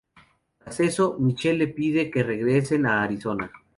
Tras eso, Michelle le pide que regresen a Arizona.